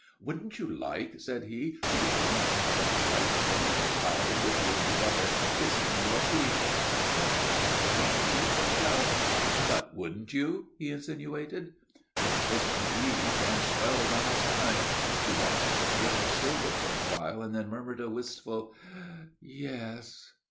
"Wouldn't you like," said he, "to be lying on that white burnished cloud with your beloved kissing your feet?" "What odd things you think of." "But wouldn't you?" he insinuated. Her bosom heaved and swelled on a sigh. She watched the strip of silver for a while and then murmured a wistful "Yes."